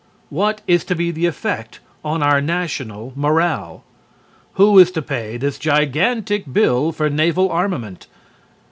What is to be the effect on our national morale? Who is to pay this gigantic bill for naval armament?